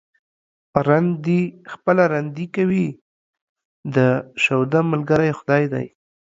رند دي خپله رندي کوي ، د شوده ملگرى خداى دى.